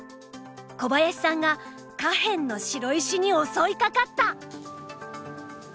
小林さんが下辺の白石に襲いかかった！